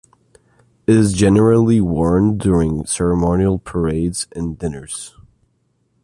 It is generally worn during ceremonial parades and dinners.